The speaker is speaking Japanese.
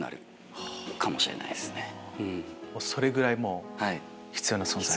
それぐらい必要な存在。